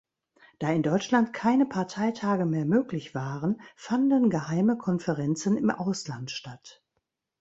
Da in Deutschland keine Parteitage mehr möglich waren, fanden geheime Konferenzen im Ausland statt.